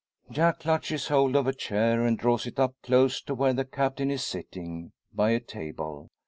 Jack clutches hold of a chair, and draws it up close to where the Captain is sitting by a table.